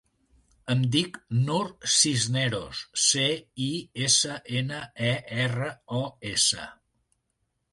Em dic Nur Cisneros: ce, i, essa, ena, e, erra, o, essa.